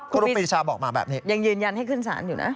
ครูปีชาบอกมาแบบนี้ยังยืนยันให้ขึ้นศาลอยู่นะ